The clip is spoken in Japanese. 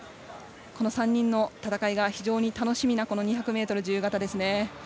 この３人の戦いが非常に楽しみな２００ｍ自由形ですね。